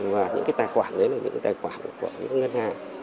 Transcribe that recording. và những cái tài khoản đấy là những cái tài khoản của ngân hàng